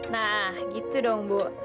nah gitu dong bu